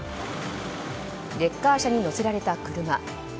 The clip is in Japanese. レッカー車に載せられた車。